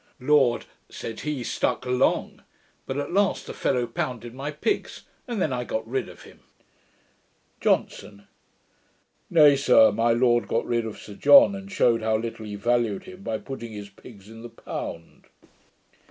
'Lord ', said he, 'stuck along; but at last the fellow pounded my pigs, and then I got rid of him.' JOHNSON. 'Nay, sir, My Lord got rid of Sir John, and shewed how little he valued him, by putting his pigs in the pound.'